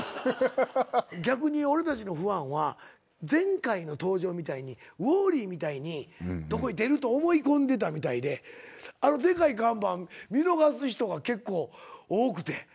逆に俺たちのファンは前回の登場みたいにウォーリーみたいに出ると思い込んでたみたいであのでかい看板見逃す人が結構多くて。